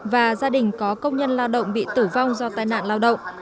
và gia đình có công nhân lao động bị tử vong do tai nạn lao động